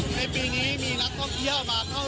ในปีนี้มีนักท่องเบี่ยวมาเข้าร่งงาน